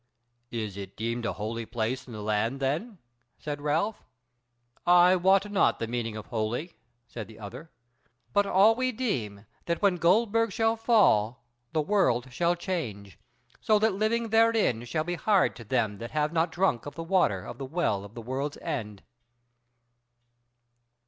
"Is it deemed a holy place in the land, then?" said Ralph. "I wot not the meaning of holy," said the other: "but all we deem that when Goldburg shall fall, the world shall change, so that living therein shall be hard to them that have not drunk of the water of the Well at the World's End."